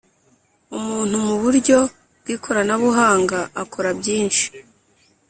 umuntu mu buryo bw ikoranabuhanga akora byinshi